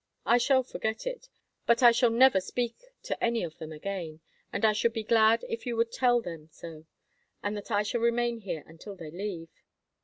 I shall forget it, but I shall never speak to any of them again, and I should be glad if you would tell them so, and that I shall remain here until they leave."